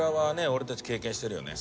俺たち経験してるよね。